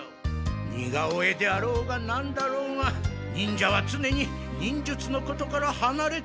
似顔絵であろうがなんだろうが忍者はつねに忍術のことからはなれてはならん。